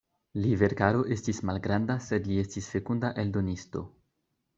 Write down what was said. Li verkaro estis malgranda sed li estis fekunda eldonisto.